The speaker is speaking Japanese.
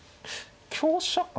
香車か。